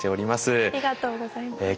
ありがとうございます。